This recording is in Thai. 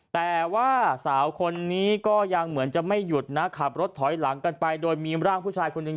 แต่ว่าสาวคนนี้ก็ยังเหมือนจะไม่หยุดนะขับรถถอยหลังกันไปโดยมีร่างผู้ชายคนหนึ่ง